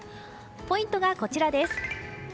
ポイントがこちらです。